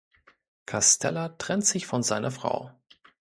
Castella trennt sich von seiner Frau.